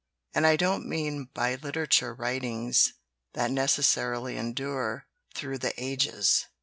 And I don't mean by litera ture writings that necessarily endure through the ages.